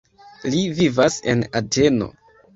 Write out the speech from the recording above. Li vivas en Ateno.